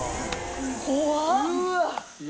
怖っ！